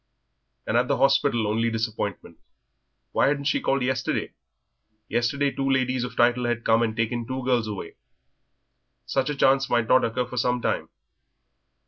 And at the hospital only disappointment. Why hadn't she called yesterday? Yesterday two ladies of title had come and taken two girls away. Such a chance might not occur for some time.